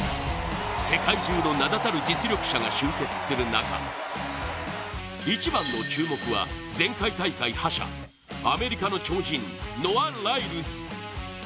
世界中の名だたる実力者が集結する中１番の注目は、前回大会覇者アメリカの超人ノア・ライルズ。